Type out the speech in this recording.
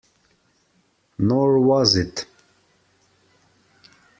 Nor was it.